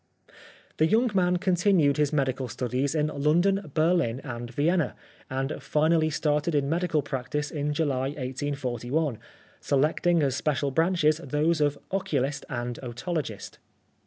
The young man continued his medical studies in London, Berlin and Vienna, and finally started in medical practice in July 1841, selecting as special branches, those of oculist and otologist.